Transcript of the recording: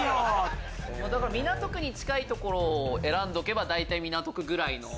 港区に近い所選んどけば大体港区ぐらいの。